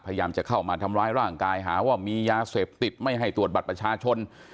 พยายามจะเข้ามาทำร้ายร่างกายหาว่ามียาเสพติดไม่ให้ตรวจบัตรประชาชน